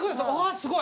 すごい。